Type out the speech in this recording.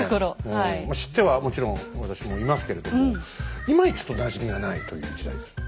知ってはもちろん私もいますけれどもいまいちちょっとなじみがないという時代ですね。